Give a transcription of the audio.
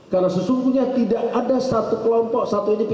karena sesungguhnya tidak ada satu kelompok